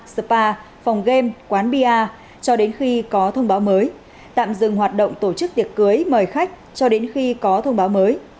spa phòng game quán bia cho đến khi có thông báo mới tạm dừng hoạt động tổ chức tiệc cưới mời khách cho đến khi có thông báo mới